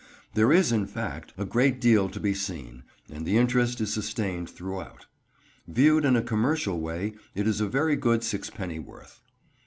There is in fact, a great deal to be seen, and the interest is sustained throughout. Viewed in a commercial way, it is a very good sixpennyworth.